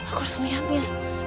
aku harus melihatnya